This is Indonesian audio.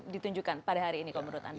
ditunjukkan pada hari ini kalau menurut anda